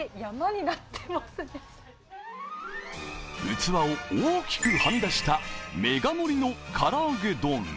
器を大きくはみ出したメガ盛りの唐揚げ丼。